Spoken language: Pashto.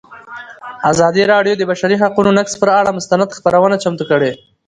ازادي راډیو د د بشري حقونو نقض پر اړه مستند خپرونه چمتو کړې.